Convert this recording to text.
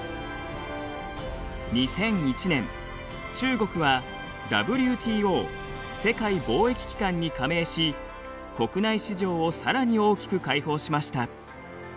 ２００１年中国はＷＴＯ世界貿易機関に加盟し国内市場をさらに大きく開放しました。